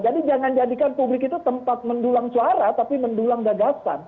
jadi jangan jadikan publik itu tempat mendulang suara tapi mendulang gagasan